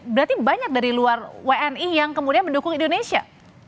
berarti banyak dari luar wni yang kemudian mendukung indonesia